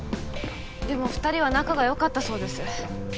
でも２人は仲が良かったそうです。